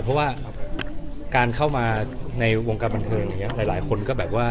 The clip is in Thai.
เพราะว่าการเข้ามาในวงการบรรเทียร์เลยหลายคนก็